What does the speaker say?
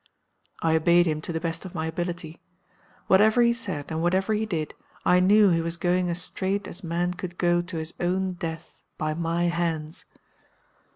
"I obeyed him to the best of my ability. Whatever he said, and whatever he did, I knew he was going as straight as man could go to his own death by my hands.